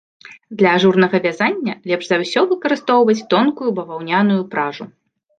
Для ажурнага вязання лепш за ўсе выкарыстоўваць тонкую баваўняную пражу.